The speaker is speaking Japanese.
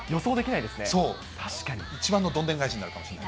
そう、一番のどんでん返しになるかもしれない。